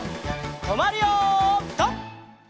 とまるよピタ！